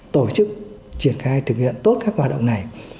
tổ chức triển khai thực hiện tốt các hoạt động này